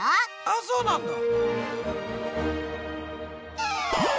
あっそうなんだ。